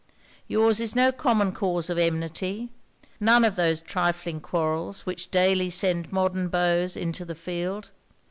Your's is no common cause of enmity; none of those trifling quarrels which daily send modern beaux into the field.